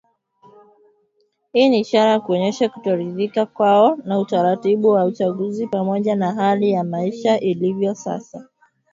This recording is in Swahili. Hii ni ishara ya kuonyesha kutoridhika kwao na utaratibu wa uchaguzi pamoja na hali ya maisha ilivyo sasa